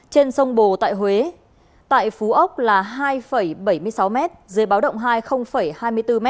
trên sông bồ tại huế tại phú ốc là hai bảy mươi sáu m dưới báo động hai hai mươi bốn m